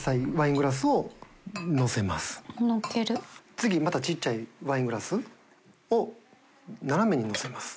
次またちっちゃいワイングラスを个瓩のせます。